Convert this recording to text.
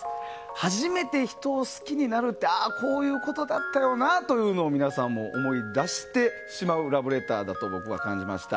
初めて人を好きになるってこういうことだったよなというのを皆さんも思い出してしまうラブレターだと僕は感じました。